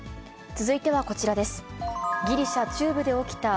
続いてはこちらです。